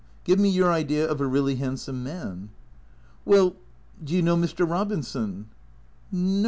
Give me your idea of a really handsome man." " Well — do you know Mr. Eobinson ?"" No.